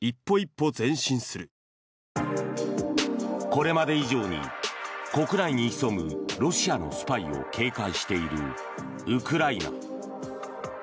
これまで以上に国内に潜むロシアのスパイを警戒しているウクライナ。